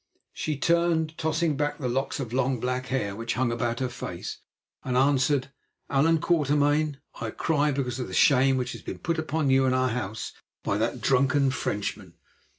She turned, tossing back the locks of long, black hair which hung about her face, and answered: "Allan Quatermain, I cry because of the shame which has been put upon you and upon our house by that drunken Frenchman."